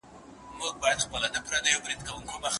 د ميرمنو تر منځ قسم له کوم معاشرت څخه دی؟